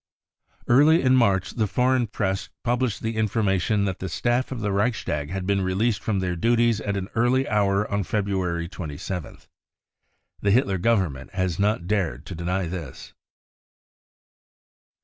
Early in March the foreign Press published the informa tion that the staff of the Reichstag had been released from their duties at an early hour on February 27th. Xhc Hitler Government has not dared to deny this.